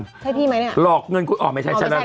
ใช่พี่ไหมเนี้ยหลอกเงินคุณอ๋อไม่ใช่ฉันแล้วนะ